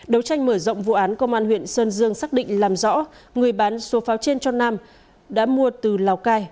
đấu tranh mở rộng vụ án công an huyện sơn dương xác định làm rõ người bán số pháo trên cho nam đã mua từ lào cai